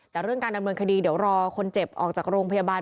แต่เรื่องการดำเนินคดีเดี๋ยวรอคนเจ็บออกจากโรงพยาบาล